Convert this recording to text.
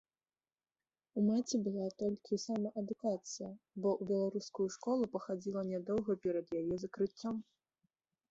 У маці была толькі самаадукацыя, бо ў беларускую школу пахадзіла нядоўга перад яе закрыццём.